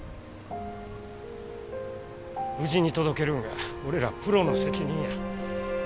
無事に届けるんが俺らプロの責任や。